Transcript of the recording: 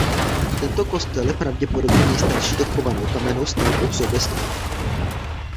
Tento kostel je pravděpodobně nejstarší dochovanou kamennou stavbou v Soběslavi.